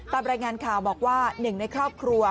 ตามรายงานข่าวบอกว่าหนึ่งในครอบครัว